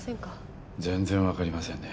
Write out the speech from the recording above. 全然分かりませんね